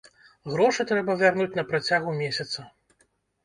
Грошы трэба вярнуць на працягу месяца.